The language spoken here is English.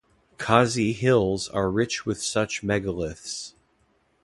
Khasi Hills are rich with such megaliths.